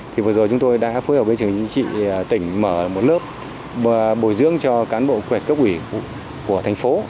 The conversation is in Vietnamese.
thì vừa rồi chúng tôi đã phối hợp với trường chính trị tỉnh mở một lớp bồi dưỡng cho cán bộ quy hoạch cấp ủy của thành phố